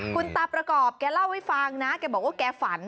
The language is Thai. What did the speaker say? คุณตาประกอบแกเล่าให้ฟังนะแกบอกว่าแกฝัน